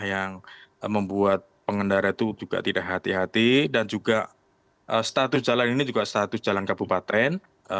yang membuat pengendara itu juga tidak hati hati dan juga status jalan ini juga status jalan kabupaten